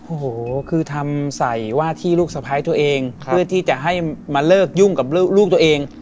โอ้โหคือทำใส่ว่าที่ลูกสะพ้ายตัวเองเพื่อที่จะให้มาเลิกยุ่งกับลูกตัวเอง